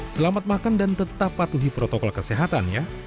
selamat makan dan tetap patuhi protokol kesehatan ya